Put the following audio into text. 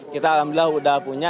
kita alhamdulillah udah punya